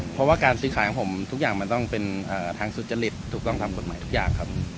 เพราะว่าการซื้อขายของผมตัวต้องเป็นทางการซุชลิตทำการใหม่ทุกอย่างครับ